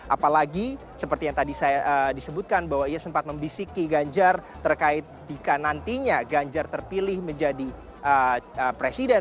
apalagi seperti yang tadi saya disebutkan bahwa ia sempat membisiki ganjar terkait jika nantinya ganjar terpilih menjadi presiden